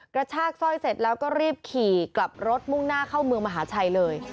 กระชากสร้อยเสร็จแล้วก็รีบขี่กลับรถมุ่งหน้าเข้าเมืองมหาชัยเลย